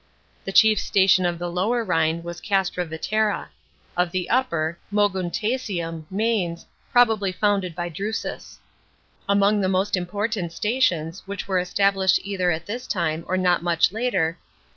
The chief station of the Lower Rhine was Castra Vetera ; of the Upper, Moguntiacum (Mainz), probably founded by Drusus. Among the most important stations, which were established either at this time or not much * Birten, near Xanteu. 9 B.O.